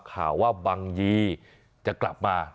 ข่าวว่าบังยีจะกลับมา